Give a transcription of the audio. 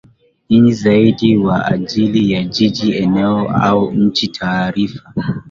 nyingi zaidi kwa ajili ya jiji eneo au nchi Taarifa